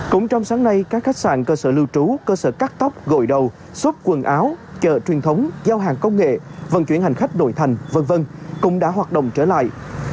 cũng trong sáng nay các khách sạn cơ sở lưu trú cơ sở cắt tóc gội đầu xốp quần áo chợ truyền thống giao hàng công nghệ vận chuyển hành khách nội thành v v cũng đã hoạt động trở lại